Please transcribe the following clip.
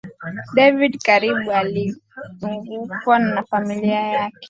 david kirbu aliizungukwa na familia yake